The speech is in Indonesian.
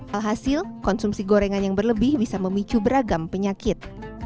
alhasil konsumsi gorengan yang berlebih bisa memicu beragam penyakit